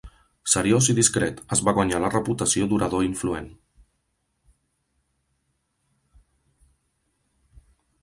Seriós i discret, es va guanyar la reputació d'orador influent.